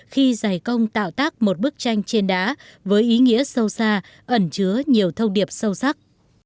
khi giải công tạo tác một bức tranh trên đá với ý nghĩa sâu xa ẩn chứa nhiều thông điệp sâu sắc